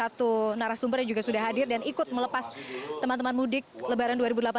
satu narasumber yang juga sudah hadir dan ikut melepas teman teman mudik lebaran dua ribu delapan belas